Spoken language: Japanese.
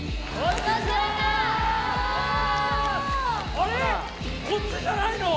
あれっ⁉こっちじゃないの？